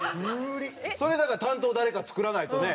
それだから担当誰か作らないとね。